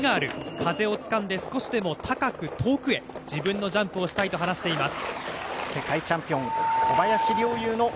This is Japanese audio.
風をつかんで少しでも高く、遠くへ自分のジャンプをしたいと話しています。